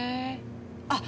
あっ！